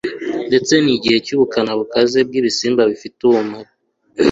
ndetse n'igihe cy'ubukana bukaze bw'ibisimba bifite ubumara